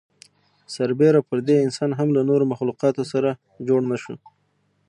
سر بېره پر دې انسان هم له نورو مخلوقاتو سره جوړ نهشو.